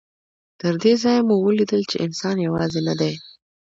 تر دې ځایه مو ولیدل چې انسان یوازې نه دی.